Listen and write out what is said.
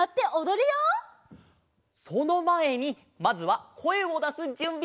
そのまえにまずはこえをだすじゅんび！